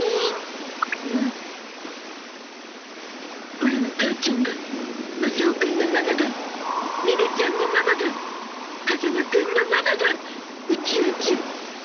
オラの母ちゃんがマサオくんのママがネネちゃんのママが風間くんのママが宇宙人。